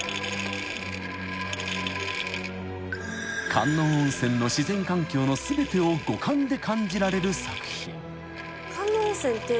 ［観音温泉の自然環境の全てを五感で感じられる作品］